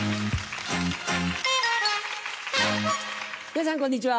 皆さんこんにちは。